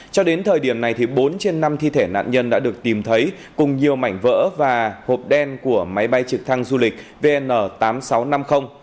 cho đến thời điểm này bốn trên năm thi thể nạn nhân đã được tìm thấy cùng nhiều mảnh vỡ và hộp đen của máy bay trực thăng du lịch vn tám nghìn sáu trăm năm mươi